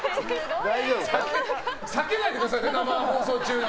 裂けないでくださいね生放送中に。